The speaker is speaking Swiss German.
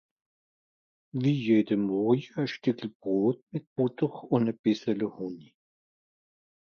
wie jede morje: e stüeckel brot mit butter un e bissele Honi